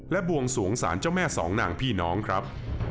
และบวงสวงสารเจ้าแม่สองนางพี่น้องครับ